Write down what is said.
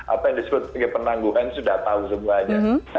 apa yang disebut sebagai penangguhan sudah tahu semuanya